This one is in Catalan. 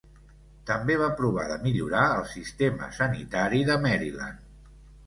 També va provar de millorar el sistema sanitari de Maryland.